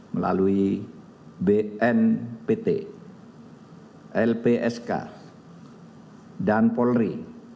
melalui bnpt lpsk dan polri